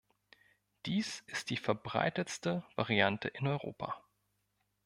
Dies ist die verbreitetste Variante in Europa.